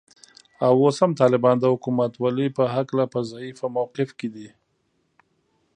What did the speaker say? او اوس هم طالبان د حکومتولې په هکله په ضعیفه موقف کې دي